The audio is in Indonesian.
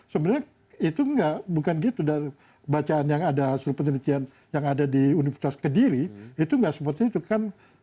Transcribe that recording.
sebenarnya itu bukan gitu dari bacaan yang ada hasil penelitian yang ada di universitas kediri itu nggak seperti itu kan